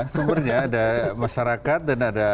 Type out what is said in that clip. sumbernya ada masyarakat dan ada